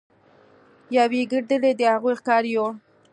یوې ګیدړې د هغوی ښکار یووړ.